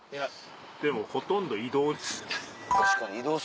でもほとんど移動です。